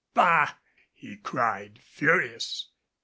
"Bah!" he cried, furious.